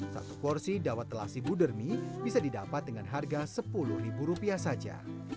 satu porsi dawet telasi budermi bisa didapat dengan harga sepuluh ribu rupiah saja